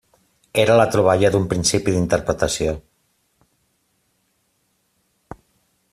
Era la troballa d'un principi d'interpretació.